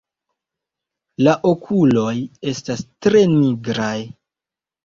La okuloj estas tre nigraj.